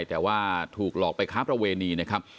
แต่ว่าถูกหลอกไปค้าประเวณีนะครับ